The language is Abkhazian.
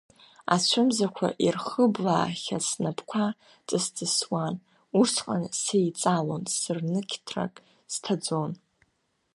Ацәымзақәа ихырблаахьаз снапқәа ҵысҵысуан, усҟан сеиҵалон, сырнықьҭрак сҭаӡон.